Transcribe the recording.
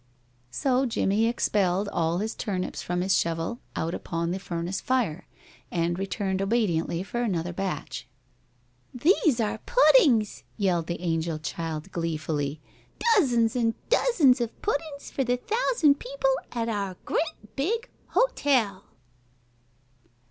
So Jimmie expelled all his turnips from his shovel out upon the furnace fire, and returned obediently for another batch. "These are puddings," yelled the angel child, gleefully. "Dozens an' dozens of puddings for the thousand people at our grea' big hotel."